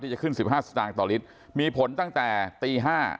ที่จะขึ้นสิบห้าสตางค์ต่อฤทธิ์มีผลตั้งแต่ตีห้า